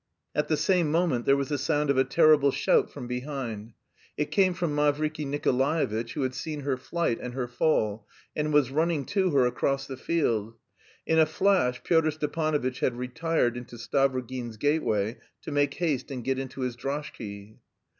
At the same moment there was the sound of a terrible shout from behind. It came from Mavriky Nikolaevitch, who had seen her flight and her fall, and was running to her across the field. In a flash Pyotr Stepanovitch had retired into Stavrogin's gateway to make haste and get into his droshky.